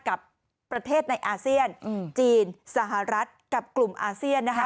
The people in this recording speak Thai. กับประเทศในอาเซียนจีนสหรัฐกับกลุ่มอาเซียนนะคะ